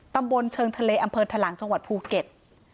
ตำบลเชิงทะเลอำเภอทะลังจังหวัดภูเก็ต